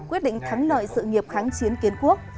quyết định thắng lợi sự nghiệp kháng chiến kiến quốc